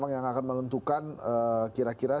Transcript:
yang akan menentukan kira kira